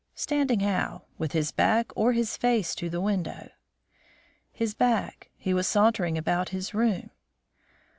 "Standing how? With his back or his face to the window?" "His back. He was sauntering about his room."